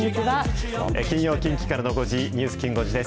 金曜、近畿からの５時、ニュースきん５時です。